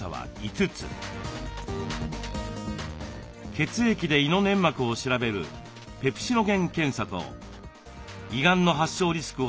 血液で胃の粘膜を調べるペプシノゲン検査と胃がんの発症リスクをチェックするピロリ